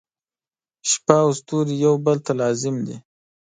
• شپه او ستوري یو بل ته لازم دي.